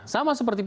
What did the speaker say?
sama seperti p tiga